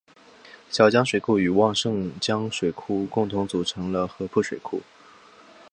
小江水库与旺盛江水库共同组成合浦水库。